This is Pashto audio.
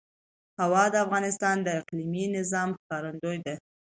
هوا د افغانستان د اقلیمي نظام ښکارندوی ده.